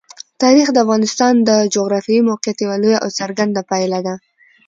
تاریخ د افغانستان د جغرافیایي موقیعت یوه لویه او څرګنده پایله ده.